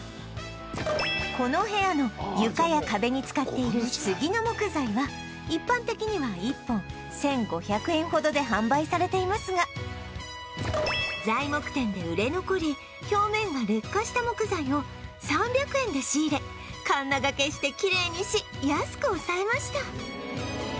この部屋の床や壁に使っている杉の木材は一般的には１本１５００円ほどで販売されていますが材木店で売れ残り表面が劣化した木材を３００円で仕入れカンナがけしてきれいにし安く抑えました